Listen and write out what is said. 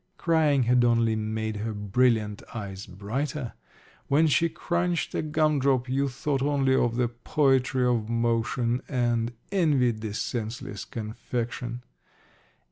Crying had only made her brilliant eyes brighter. When she crunched a gum drop you thought only of the poetry of motion and envied the senseless confection.